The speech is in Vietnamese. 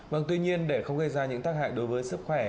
vâng tuy nhiên để không gây ra những tác hại đối với sức khỏe